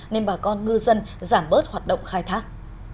nên bà con ngư dân giảm bớt hoạt động khai thác